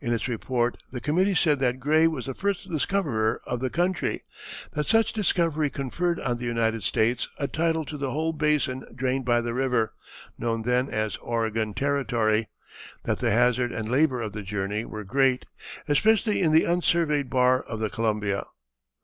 In its report the committee said that Gray was the first discoverer of the country; that such discovery conferred on the United States a title to the whole basin drained by the river, known then as Oregon Territory; that the hazard and labor of the journey were great, especially in the unsurveyed bar of the Columbia.